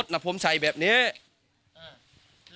สน่ะผมใส่แบบนี้แล้ว